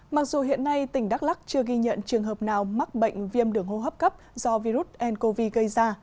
mặc dù hiện nay tỉnh đắk lắc chưa ghi nhận trường hợp nào mắc bệnh viêm đường hô hấp cấp do virus ncov gây ra